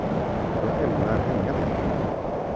Jag ämnar hänga dig;